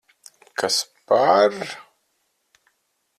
Kas par...